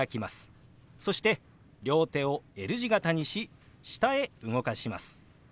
そして両手をＬ字形にし下へ動かします。